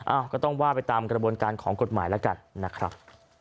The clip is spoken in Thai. ก็ต้องว่าไปตามกระบวนการของกฎหมายแล้วกันนะครับ